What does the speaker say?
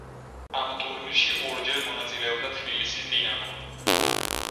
ამ ტურნირში ორჯერ მონაწილეობდა თბილისის „დინამო“.